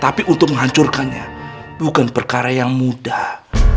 tapi untuk menghancurkannya bukan perkara yang mudah